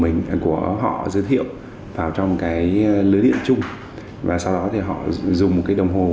mình của họ giới thiệu vào trong cái lưới điện chung và sau đó thì họ dùng một cái đồng hồ